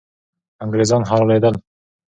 انګریزان حلالېدل.